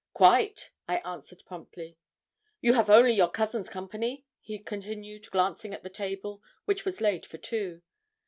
'Quite,' I answered promptly. 'You have only your cousin's company?' he continued, glancing at the table, which was laid for two.